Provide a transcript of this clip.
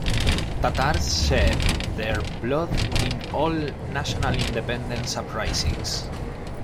Tatars shed their blood in all national independence uprisings.